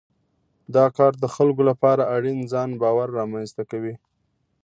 دا کار د خلکو لپاره اړین ځان باور رامنځته کوي.